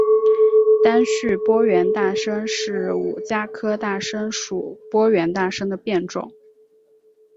单序波缘大参是五加科大参属波缘大参的变种。